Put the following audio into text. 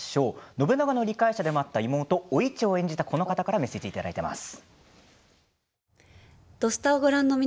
信長の理解者でもあった妹お市を演じたこの方からメッセージをいただいています。